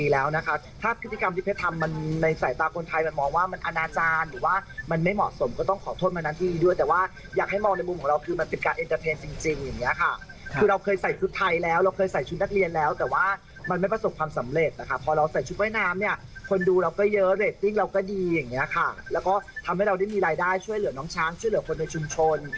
แล้วก็ทำให้เราได้มีรายได้ช่วยเหลือน้องช้างช่วยเหลือคนในชุมชน